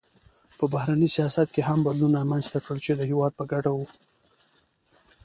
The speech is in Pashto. په بهرني سیاست کې هم بدلون رامنځته کړ چې د هېواد په ګټه و.